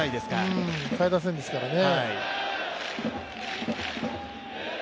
下位打線ですからね。